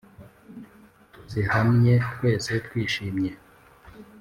tuzihamye twese twishimye